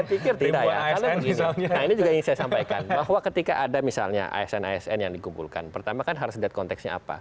nah ini juga ingin saya sampaikan bahwa ketika ada misalnya asn asn yang dikumpulkan pertama kan harus lihat konteksnya apa